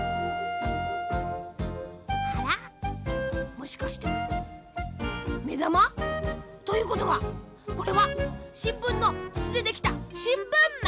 もしかしてめだま？ということはこれはしんぶんのつつでできたしんぶんマン？